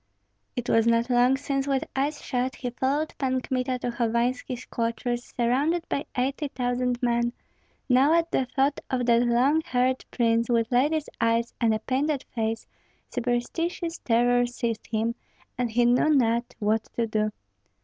It was not long since with eyes shut he followed Pan Kmita to Hovanski's quarters surrounded by eighty thousand men; now at the thought of that long haired prince with lady's eyes and a painted face, superstitious terror seized him, and he knew not what to do.